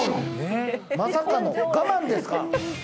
まさかの我慢ですか？